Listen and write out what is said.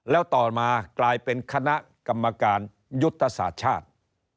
แล้วต่อมากลายเป็นคณะกรรมการยุทธศาสตร์ชาติ